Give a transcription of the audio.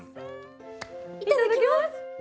いただきます。